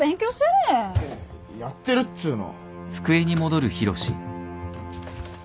やってるっつうの